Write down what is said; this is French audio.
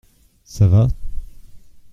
Ça va ?